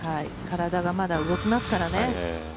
体がまだ動きますから。